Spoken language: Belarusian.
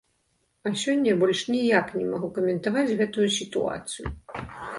А сёння я больш ніяк не магу каментаваць гэтую сітуацыю.